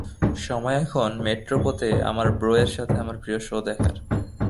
সময় এখন মেট্রোপো তে আমার ব্রো এর সাথে আমার প্রিয় শো দেখার।